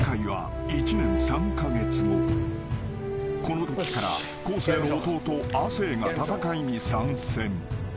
［このときから昴生の弟亜生が戦いに参戦］